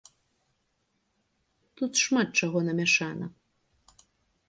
Тут шмат чаго намяшана.